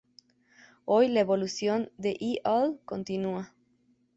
Hoy la evolución de "y’all" continúa.